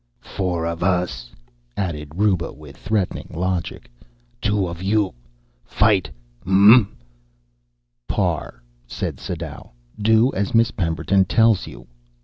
"Four of us," added Ruba with threatening logic. "Two of you. Fight, uh?" "Parr," said Sadau, "do as Miss Pemberton tells you.